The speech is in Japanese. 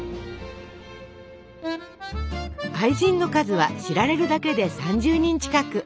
愛人の数は知られるだけで３０人近く。